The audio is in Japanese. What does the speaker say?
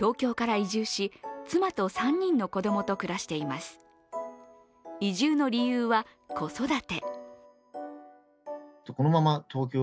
移住の理由は、子育て。